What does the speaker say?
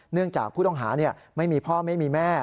เนื่องจากผู้ต้องหาไม่มีพ่อไม่มีแม่